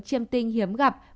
chiêm tinh hiếm gặp